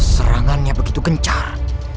serangannya begitu kencang